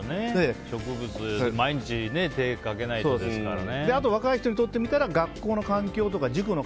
植物、毎日手をかけないとですからね。